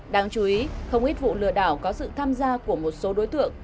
đáng chú ý không ít vụ lừa đảo có sự tham gia của một số đối tượng